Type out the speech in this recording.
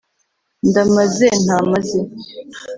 Ndamaze ntamaze,